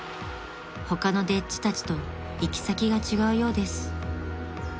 ［他の丁稚たちと行き先が違うようです］